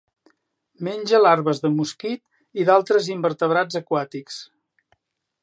Menja larves de mosquit i d'altres invertebrats aquàtics.